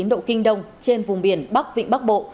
một trăm linh tám chín độ kinh đông trên vùng biển bắc vĩ bắc bộ